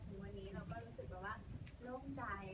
พอถึงวันนี้เราก็รู้สึกว่าว่าโล่งใจ